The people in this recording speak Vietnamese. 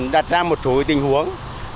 đặt ra một số tình huống